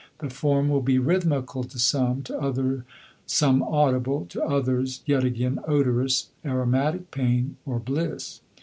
The form will be rhythmical to some, to other some audible, to others yet again odorous, "aromatic pain," or bliss.